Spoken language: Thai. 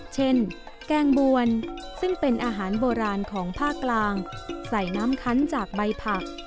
แกงบวนซึ่งเป็นอาหารโบราณของภาคกลางใส่น้ำคันจากใบผัก